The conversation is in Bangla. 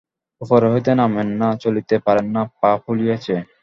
উপর হইতে নামেন না, চলিতে পারেন না, পা ফুলিয়াছে।